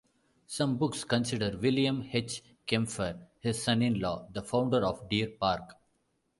Some books consider William H. Kempfer, his son-in-law, the founder of Deer Park.